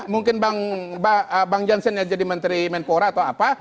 mungkin bang jansen yang jadi menteri menpora atau apa